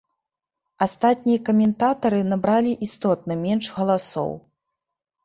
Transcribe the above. Астатнія каментатары набралі істотна менш галасоў.